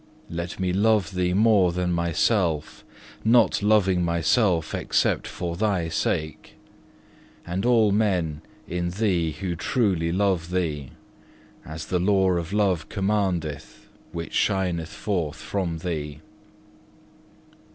Let me love Thee more than myself, not loving myself except for Thy sake, and all men in Thee who truly love Thee, as the law of love commandeth which shineth forth from Thee.